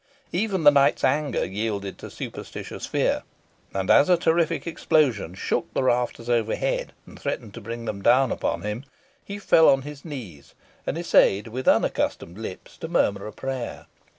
Even the knight's anger yielded to superstitious fear, and as a terrific explosion shook the rafters overhead, and threatened to bring them down upon him, he fell on his knees, and essayed, with unaccustomed lips, to murmur a prayer.